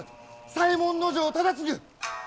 左衛門尉忠次！